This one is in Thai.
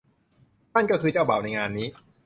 นั่นก็คือเจ้าบ่าวในงานนี้